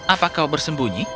apa kau bersembunyi